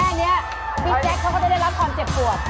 แค่นี้พี่แจ๊คเขาก็จะได้รับความเจ็บปวด